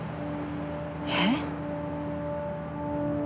えっ！？